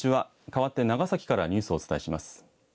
かわって長崎からニュースをお伝えします。